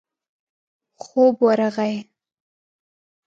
خوب ورغی.